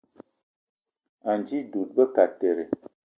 Anji dud be kateré